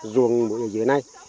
ruồng muối ở dưới này